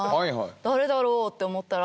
誰だろう？って思ったら。